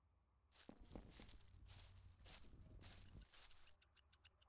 آیا د یوې روښانه او ابادې نړۍ نه ده؟